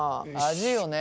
味よね